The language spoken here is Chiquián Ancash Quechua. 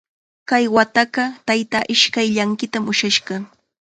Kay wataqa taytaa ishkay llanqitam ushashqa.